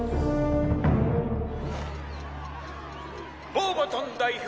ボーバトン代表